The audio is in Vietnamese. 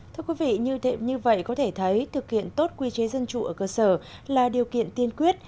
thưa quý vị như vậy có thể thấy thực hiện tốt quy chế dân chủ ở cơ sở là điều kiện tiên quyết